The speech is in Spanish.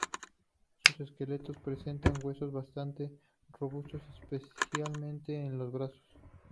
Sus esqueletos presentan huesos bastante robustos, especialmente en los brazos.